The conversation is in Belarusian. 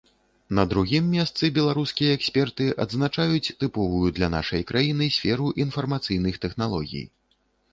На другім месцы беларускія эксперты адзначаюць тыповую для нашай краіны сферу інфармацыйных тэхналогій.